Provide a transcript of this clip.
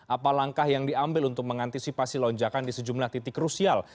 apa langkah yang diambil untuk mengantisipasi lonjakan di sejumlah titik krusial